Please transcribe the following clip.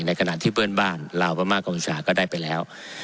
ในขณะที่เปิ้ลบ้านลาวประมาทกับอุตสาหก็ได้ไปแล้ว